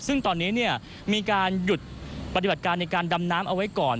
ซึ่งตอนนี้มีการหยุดปฏิบัติการในการดำน้ำเอาไว้ก่อน